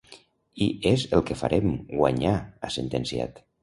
I és el que farem, guanyar, ha sentenciat.